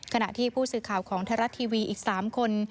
ขณะที่ผู้สื่อข่าวของไทยรัฐทีวีอีก๓คน